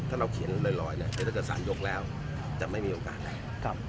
ถ้าเราเขียนลอยเนี่ยถ้าเกิดสารยกแล้วจะไม่มีโอกาสไหน